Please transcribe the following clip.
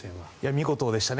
見事でしたね。